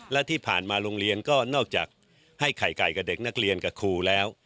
และที่ผ่านมาโรงเรียนก็นอกจากให้ไข่ไก่กับเด็กนักเรียนกับครูแล้ว